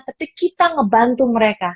tapi kita ngebantu mereka